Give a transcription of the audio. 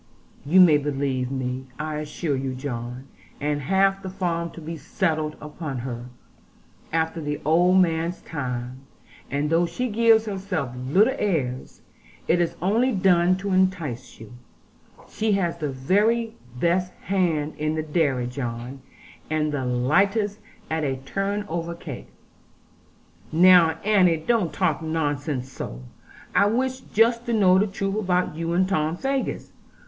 'You may believe me, I assure you, John, and half the farm to be settled upon her, after the old man's time; and though she gives herself little airs, it is only done to entice you; she has the very best hand in the dairy John, and the lightest at a turn over cake ' 'Now, Annie, don't talk nonsense so. I wish just to know the truth about you and Tom Faggus.